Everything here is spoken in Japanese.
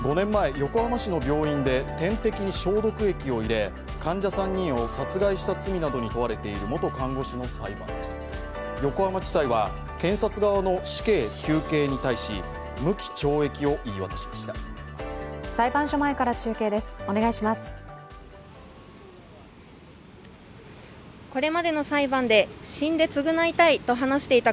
横浜地裁は、検察側の死刑求刑に対し無期懲役を言い渡しました。